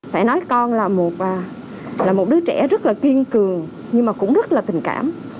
phải nói con là một đứa trẻ rất là kiên cường nhưng mà cũng rất là tình cảm